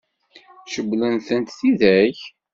Cewwlent-tent tidak?